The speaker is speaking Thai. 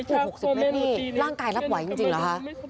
คือ๖๐เมตรนี่ร่างกายรับไหวจริงเหรอคะ